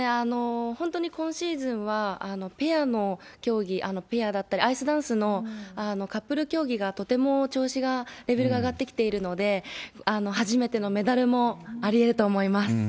本当に今シーズンはペアの競技、ペアだったりアイスダンスのカップル競技が、とても調子が、レベルが上がってきているので、初めてのメダルもありえると思います。